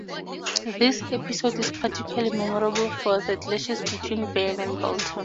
The episode is particularly memorable for the clashes between Benn and Bolton.